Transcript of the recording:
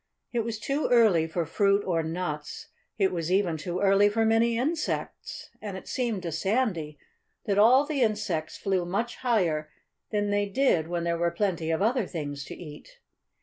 It was too early for fruit or nuts. It was even too early for many insects. And it seemed to Sandy that all the insects flew much higher than they did when there were plenty of other things to eat.